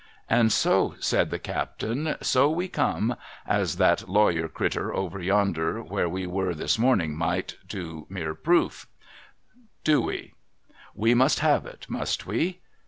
' And so,' said the captain, ' so we come — as that lawyer crittur over yonder where we were this morning might — to mere proof; do we ? We must have it ; must we